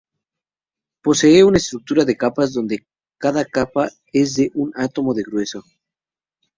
Posee una estructura de capas, donde cada capa es de un átomo de grueso.